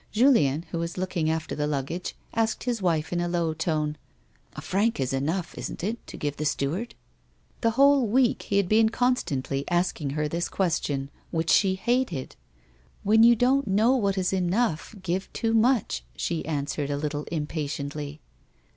Julien, who was looking after the luggage, asked his wife in a low tone :" A franc is enough, isn't it, to give the steward 1 " The whole week he had been constantly asking her this question which she hated. " When you don't know what is enough, give too much,'" she answered, a little impatiently.